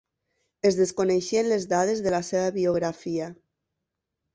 Es desconeixen les dades de la seva biografia.